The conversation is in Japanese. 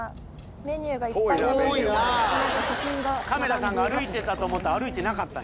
カメラさんが歩いたと思ったら歩いてなかった。